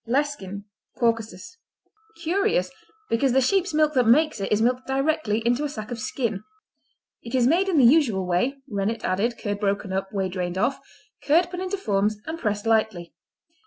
Lescin Caucasus Curious because the sheep's milk that makes it is milked directly into a sack of skin. It is made in the usual way, rennet added, curd broken up, whey drained off, curd put into forms and pressed lightly.